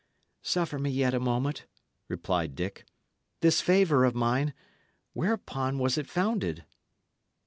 "Suffer me yet a moment," replied Dick. "This favour of mine whereupon was it founded?"